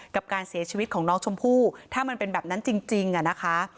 กับการเสียชีวิตของน้องชมพู่ถ้ามันเป็นแบบนั้นจริงอะนะคะ